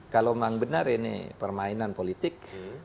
kalau memang benar ini permainan politik